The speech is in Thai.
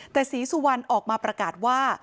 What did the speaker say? แต่ศรีสุวรรณออกมาประกาศว่า